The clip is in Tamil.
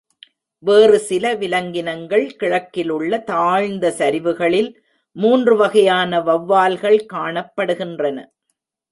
வேறு சில விலங்கினங்கள் கிழக்கிலுள்ள தாழ்ந்த சரிவுகளில் மூன்று வகையான வௌவால்கள் காணப்படுகின்றன.